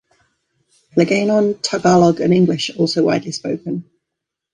Hiligaynon, Tagalog, and English are also widely spoken.